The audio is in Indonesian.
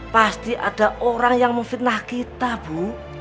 pasti ada orang yang memfitnah kita bu